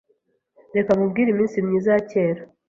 Reka nkubwire iminsi myiza ya kera.